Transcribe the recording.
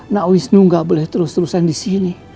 nak wisnu gak boleh terus terusan disini